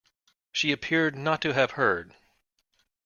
She appeared not to have heard.